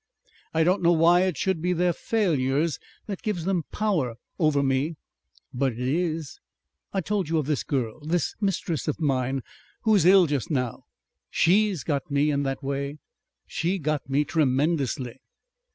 I don't know why it should be their failures that gives them power over me, but it is. I told you of this girl, this mistress of mine, who is ill just now. SHE'S got me in that way; she's got me tremendously."